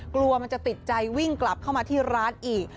กลัวมันจะติดใจวิ่งกลับเข้ามาที่ร้านอีก